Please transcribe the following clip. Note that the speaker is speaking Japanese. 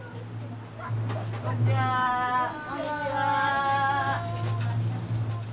こんにちは！